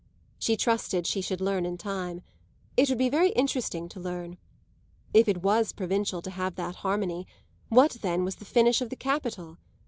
She trusted she should learn in time; it would be very interesting to learn. If it was provincial to have that harmony, what then was the finish of the capital?